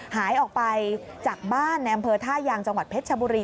หายออกไปจากบ้านในอำเภอท่ายางจังหวัดเพชรชบุรี